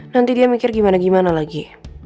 nanti dia mikir gimana gimana lagi